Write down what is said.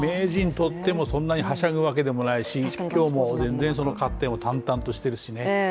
とってもそんなにはしゃぐわけでもないし今日も全然勝っても淡々としているしね。